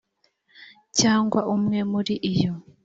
cyangwa umwe muri yo